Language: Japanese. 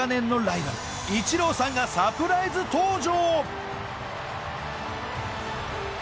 イチローさんがサプライズ登場